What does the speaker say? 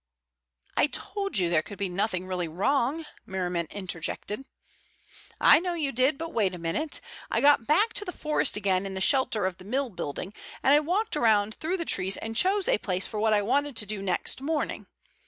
"I told you there could be nothing really wrong," Merriman interjected. "I know you did, but wait a minute. I got back to the forest again in the shelter of the mill building, and I walked around through the trees and chose a place for what I wanted to do next morning.